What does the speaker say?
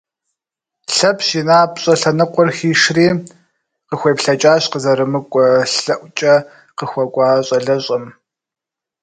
Лъэпщ и напщӏэ лъэныкъуэр хишри, къыхуеплъэкӏащ къызэрымыкӏуэ лъэӏукӏэ къыхуэкӏуа щӏалэщӏэм.